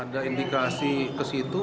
ada indikasi ke situ